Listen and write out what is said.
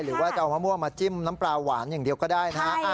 หรือว่าจะเอามะม่วงมาจิ้มน้ำปลาหวานอย่างเดียวก็ได้นะฮะ